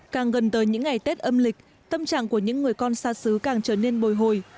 càng gần tới những ngày tết âm lịch tâm trạng của những người con xa xứ càng trở nên bồi hồi